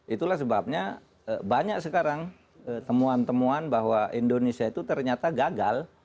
itulah sebabnya banyak sekarang temuan temuan bahwa indonesia itu ternyata gagal